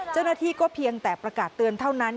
เจ้าหน้าที่ก็เพียงแต่ประกาศเตือนเท่านั้น